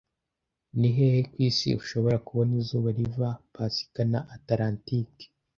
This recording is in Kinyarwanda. Nihehe ku isi ushobora kubona izuba riva Pasifika na Atlantike